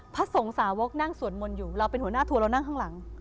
สงสาวกนั่งสวดมนต์อยู่เราเป็นหัวหน้าทัวร์เรานั่งข้างหลัง